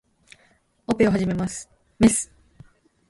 オペを始めます。メス